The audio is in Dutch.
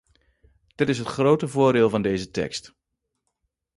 Dit is het grote voordeel van deze tekst.